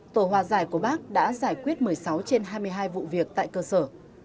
tổ hòa giải của bác đã giải quyết một mươi sáu trên hai mươi hai vụ việc tại cơ sở